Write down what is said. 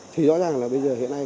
thì rõ ràng là bây giờ hiện nay